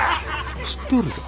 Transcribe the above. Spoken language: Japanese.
知っとるぞ。